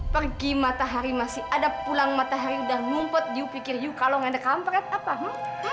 pergi matahari masih ada pulang matahari udah numpot you pikir you kalau gak ada kampret apa ha